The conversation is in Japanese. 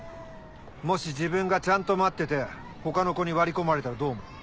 もし自分がちゃんと待ってて他の子に割り込まれたらどう思う？